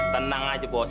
tenang aja bos